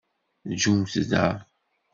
Rajumt da!